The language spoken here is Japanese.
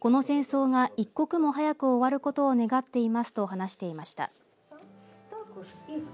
この戦争が一刻も早く終わることを願っていますと話していました。